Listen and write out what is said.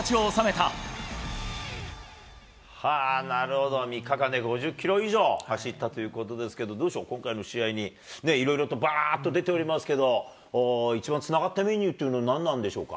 なるほど、３日間で５０キロ以上走ったということですけど、どうでしょう、今回の試合に、いろいろとばーっと出ておりますけど、一番つながったメニューっていうのは何なんでしょうか。